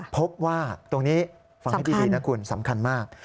พบว่าตรงนี้ฟังให้ดีนะคุณสำคัญมาก